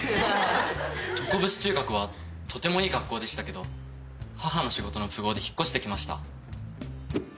常節中学はとてもいい学校でしたけど母の仕事の都合で引っ越してきました。